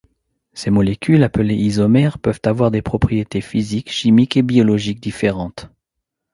Ces molécules, appelées isomères, peuvent avoir des propriétés physiques, chimiques et biologiques différentes.